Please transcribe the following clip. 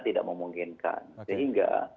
tidak memungkinkan sehingga